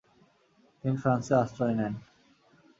তিনি ফ্রান্সে আশ্রয় নেন।